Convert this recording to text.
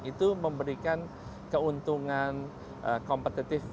itu memberikan keuntungan kompetitif